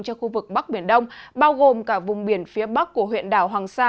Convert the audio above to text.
cho khu vực bắc biển đông bao gồm cả vùng biển phía bắc của huyện đảo hoàng sa